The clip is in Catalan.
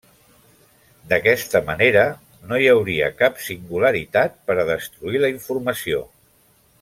D'aquesta manera, no hi hauria cap singularitat per a destruir la informació.